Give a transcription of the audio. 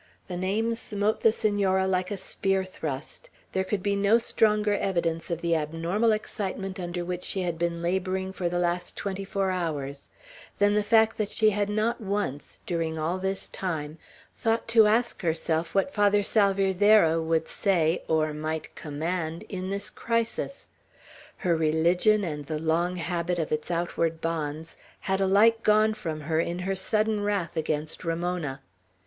The name smote the Senora like a spear thrust, There could be no stronger evidence of the abnormal excitement under which she had been laboring for the last twenty four hours, than the fact that she had not once, during all this time, thought to ask herself what Father Salvierderra would say, or might command, in this crisis. Her religion and the long habit of its outward bonds had alike gone from her in her sudden wrath against Ramona.